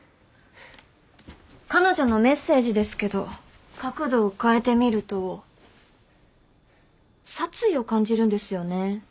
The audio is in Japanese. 彼女のメッセージですけど角度を変えて見ると殺意を感じるんですよね。